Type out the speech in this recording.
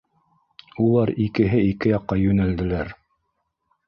Улар икеһе ике яҡҡа йүнәлделәр.